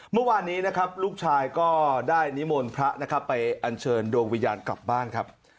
เมื่อวานนี้นะครับลูกชายก็ได้นิมนต์พระนะครับไปอันเชิญดวงวิญญาณกลับบ้านครับ